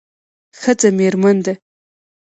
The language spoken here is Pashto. ښځه میرمن ده